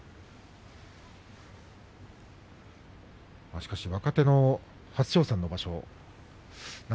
しかし若手の初挑戦の場所。